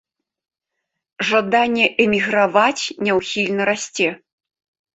Жаданне эміграваць няўхільна расце.